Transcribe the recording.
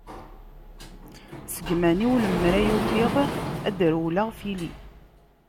Seg iman-iw lemmer i ufiɣ, ad d-rewleɣ tili.